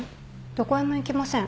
どこへも行きません。